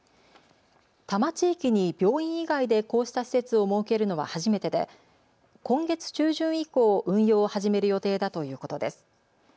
多摩地域に病院以外でこうした施設を設けるのは初めてで今月中旬以降、運用を始める予定だということです。